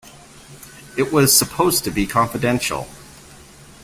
It was supposed to be confidential.